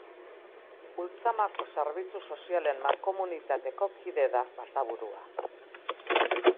Ultzamako Zerbitzu Sozialen Mankomunitateko kide da Basaburua.